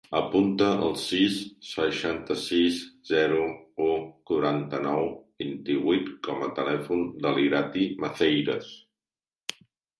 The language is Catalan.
Apunta el sis, seixanta-sis, zero, u, quaranta-nou, vint-i-vuit com a telèfon de l'Irati Maceiras.